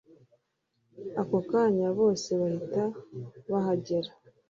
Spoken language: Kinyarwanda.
ako kanya bose bahita bahagera